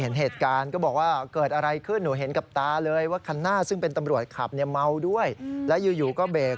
นี่เมาด้วยและอยู่ก็เบก